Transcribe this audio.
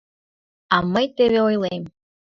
А мый теве ойлем.